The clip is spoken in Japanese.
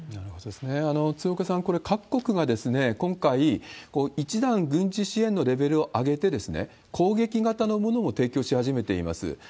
鶴岡さん、これ、各国が今回、一段軍事支援のレベルを上げて、攻撃型のものを提供し始めています。